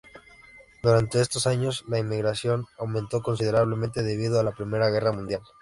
Durante estos años, la inmigración aumento considerablemente debido a la Primera Guerra Mundial.